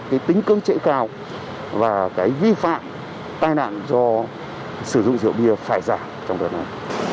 cái tính cưỡng chế cao và cái vi phạm tai nạn do sử dụng rượu bia phải giảm trong đợt này